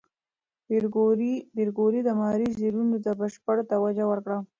پېیر کوري د ماري څېړنو ته بشپړ توجه ورکړه.